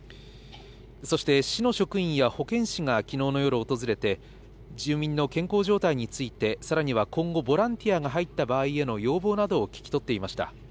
そして市の職員や保健師がきのうの夜訪れて、住民の健康状態について、さらには今後、ボランティアが入った場合への要望などを聞き取っていました。